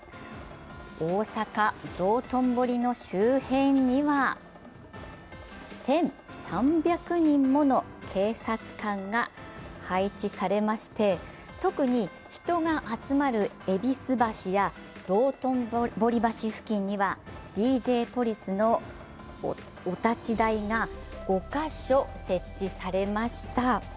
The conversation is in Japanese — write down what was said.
大阪・道頓堀の周辺には１３００人もの警察官が配置されまして特に人が集まる戎橋や道頓堀橋付近にはＤＪポリスのお立ち台が５か所設置されました。